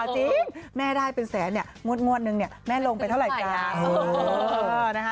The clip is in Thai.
จริงแม่ได้เป็นแสนเนี่ยงวดนึงเนี่ยแม่ลงไปเท่าไหร่จ๊ะ